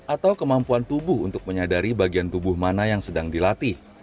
atau kemampuan tubuh untuk menyadari bagian tubuh mana yang sedang dilatih